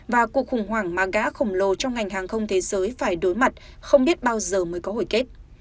và cuộc khủng hoảng mà gã khổng lồ trong ngành hàng không thế giới phải đối mặt không biết bao giờ mới có hồi kết